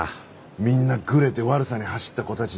みんなグレて悪さに走った子たちでしたけど。